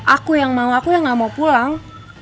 aku yang mau aku ya gak mau pulang